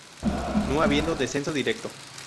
No habiendo descenso directo.